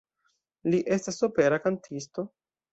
Li estas opera kantisto.